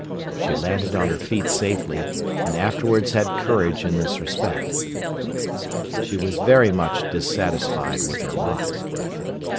She landed on her feet safely, and afterwards had courage in this respect. She was very much dissatisfied with her lot.